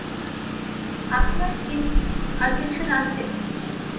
আপনার কি আর কিছু লাগবে?